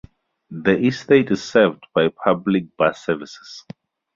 The estate is served by public bus services.